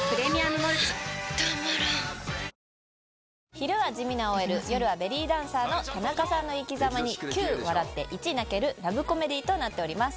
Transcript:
昼は地味なＯＬ夜はベリーダンサーの田中さんの生きざまに９笑って１泣けるラブコメディーとなっております。